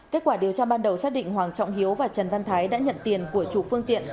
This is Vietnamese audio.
kết quả điều tra ban đầu xác định hoàng trọng hiếu và trần văn thái đã nhận tiền của chủ phương tiện